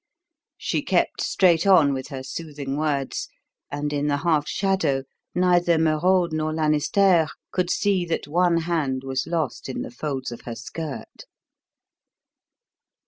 She kept straight on with her soothing words; and, in the half shadow, neither Merode nor Lanisterre could see that one hand was lost in the folds of her skirt.